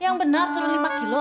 yang benar turun lima kg